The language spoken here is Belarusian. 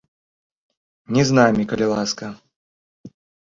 Не з намі, калі ласка.